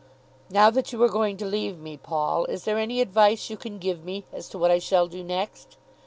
"Now that you are going to leave me, Paul, is there any advice you can give me, as to what I shall do next?